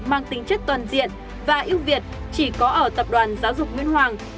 mang tính chất toàn diện và ưu việt chỉ có ở tập đoàn giáo dục nguyễn hoàng